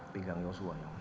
pinggang yosua ya